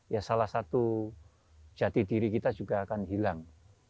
ya salah satu jati diri kita juga akan hilang